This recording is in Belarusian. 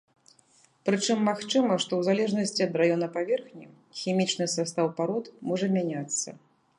Прычым магчыма, што ў залежнасці ад раёна паверхні, хімічны састаў парод можа змяняцца.